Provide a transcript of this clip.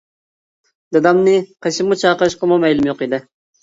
دادامنى قېشىمغا چاقىرىشقىمۇ مەيلىم يوق ئىدى.